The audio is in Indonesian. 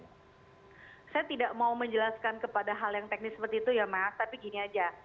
saya tidak mau menjelaskan kepada hal yang teknis seperti itu ya mas tapi gini aja